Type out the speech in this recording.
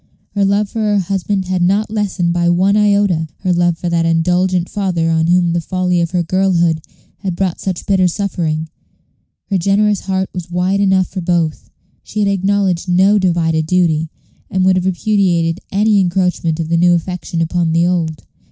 Her love for her husband had not lessened by one iota her love for that indulgent father on whom the folly of her girlhood had brought such bitter suffering. Her generous heart was wide enough for both. She had acknowledged no "divided duty," and would have repudiated any encroachment of the new affection upon the old.